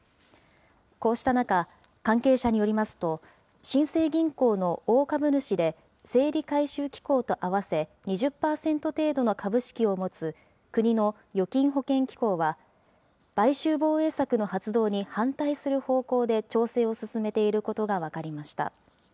こうした中、関係者によりますと、新生銀行の大株主で整理回収機構と合わせ、２０％程度の株式を持つ国の預金保険機構は、買収防衛策の発動に反対する方向で調整を進めていることが分かりました。